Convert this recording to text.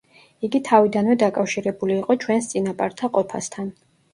იგი თავიდანვე დაკავშირებული იყო ჩვენს წინაპართა ყოფასთან.